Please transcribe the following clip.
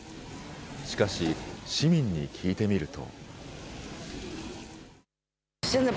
しかし、市民に聞いてみると。